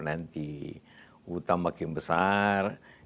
nanti utang makin besar